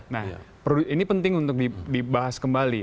nah ini penting untuk dibahas kembali